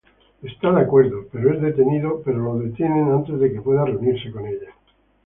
Él está de acuerdo, pero es detenido antes de que pueda reunirse con ella.